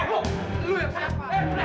bunga bunga lah anjay